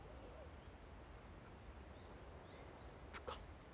そっか。